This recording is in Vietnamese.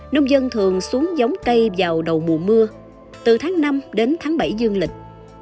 nông dân thường xuống giống cây vào đầu mùa mưa từ tháng năm đến tháng bảy dương lịch